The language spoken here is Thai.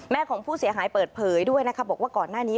ของผู้เสียหายเปิดเผยด้วยนะคะบอกว่าก่อนหน้านี้